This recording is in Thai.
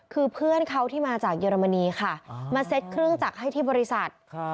คือเพื่อนเขาที่มาจากเยอรมนีค่ะมาเซ็ตเครื่องจักรให้ที่บริษัท